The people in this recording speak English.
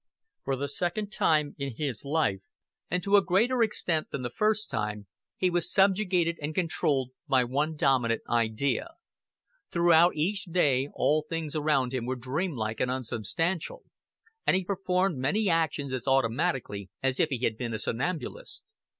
For the second time in his life, and to a greater extent than the first time, he was subjugated and controlled by one dominant idea. Throughout each day all things around him were dreamlike and unsubstantial, and he performed many actions as automatically as if he had been a somnambulist.